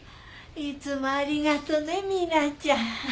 いつもありがとうねミナちゃん。